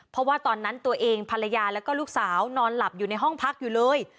เพราะว่าตอนนั้นตัวเองภรรยาแล้วก็ลูกสาวนอนหลับอยู่ในห้องพักอยู่เลย